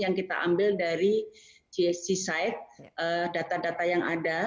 yang kita ambil dari gsg side data data yang ada